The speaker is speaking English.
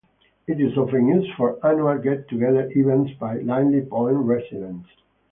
It is often used for annual get-together events by Linley Point residents.